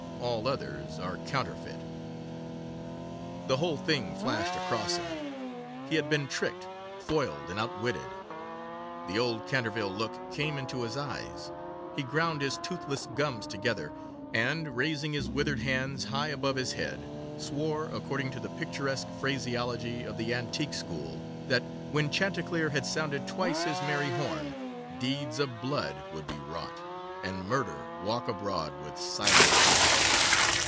All others are Counterfeite. The whole thing flashed across him. He had been tricked, foiled, and outwitted! The old Canterville look came into his eyes; he ground his toothless gums together; and, raising his withered hands high above his head, swore, according to the picturesque phraseology of the antique school, that when Chanticleer had sounded twice his merry horn, deeds of blood would be wrought, and Murder walk abroad with silent feet.